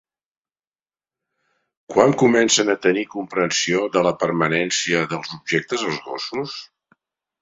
Quan comencen a tenir comprensió de la permanència dels objectes els gossos?